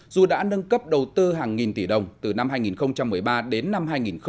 dù đã nâng cấp đầu tư hàng nghìn tỷ đồng từ năm hai nghìn một mươi ba đến năm hai nghìn một mươi bảy